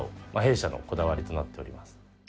弊社のこだわりとなっております。